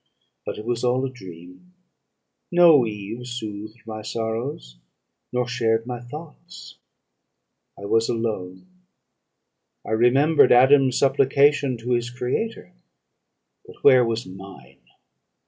But it was all a dream; no Eve soothed my sorrows, nor shared my thoughts; I was alone. I remembered Adam's supplication to his Creator. But where was mine?